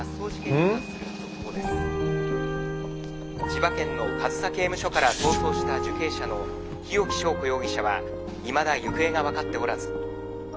「千葉県の上総刑務所から逃走した受刑者の日置昭子容疑者はいまだ行方が分かっておらず」。